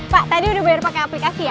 pak tadi udah bayar pakai aplikasi ya